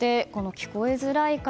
聞こえづらい方